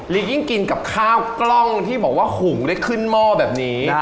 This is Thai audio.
ยิ่งกินกับข้าวกล้องที่บอกว่าหุงได้ขึ้นหม้อแบบนี้